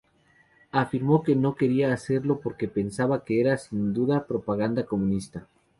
Afirmó que no quería hacerlo porque pensaba que era sin duda propaganda comunista.